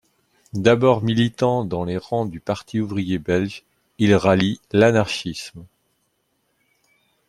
D’abord militant dans les rangs du Parti Ouvrier Belge, il rallie l’anarchisme.